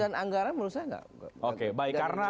dan anggaran menurut saya nggak